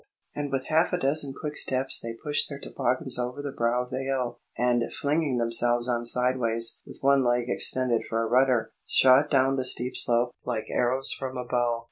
and with half a dozen quick steps they pushed their toboggans over the brow of the hill, and flinging themselves on sideways with one leg extended for a rudder, shot down the steep slope like arrows from a bow.